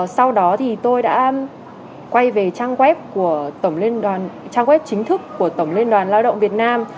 sau đó thì tôi đã quay về trang web chính thức của tổng liên đoàn lao động việt nam